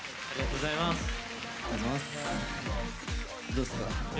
どうですか？